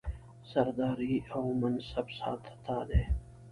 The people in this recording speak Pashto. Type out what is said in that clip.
سرداري او منصب ستا دی